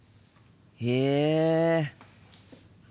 へえ。